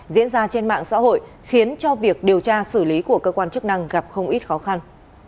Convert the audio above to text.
diễn ra trên mạng xã hội khiến cho việc điều tra xử lý của cơ quan chức năng gặp không ít khó khăn